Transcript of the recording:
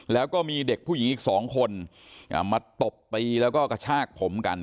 แล้วก็มีเด็กผู้หญิงอีกสองคนมาตบตีแล้วก็กระชากผมกัน